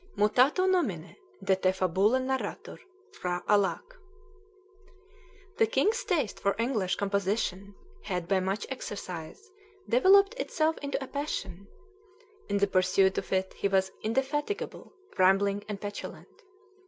Mutato nomine, de te fabula narratur, P'hra Alâck! The king's taste for English composition had, by much exercise, developed itself into a passion. In the pursuit of it he was indefatigable, rambling, and petulant.